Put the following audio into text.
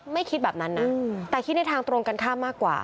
ไม่คิดแบบนั้นนะแต่คิดในทางตรงกันข้ามมากกว่า